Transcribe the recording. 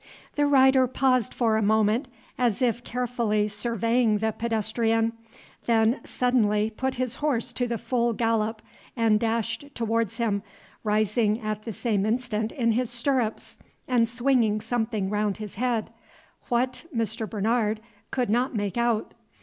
The rider paused for a moment, as if carefully surveying the pedestrian, then suddenly put his horse to the full gallop, and dashed towards him, rising at the same instant in his stirrups and swinging something round his head, what, Mr. Bernard could not make out.